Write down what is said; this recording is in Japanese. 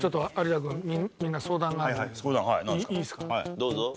どうぞ。